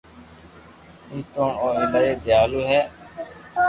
نيتوڙ او ايلائي ديالو ھي